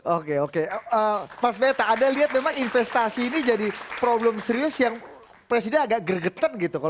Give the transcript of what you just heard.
oke oke mas meta anda lihat memang investasi ini jadi problem serius yang presiden agak gregetan gitu